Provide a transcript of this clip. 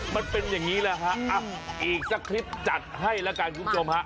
มันเป็นอย่างนี้แหละฮะอีกสักคลิปจัดให้แล้วกันคุณผู้ชมฮะ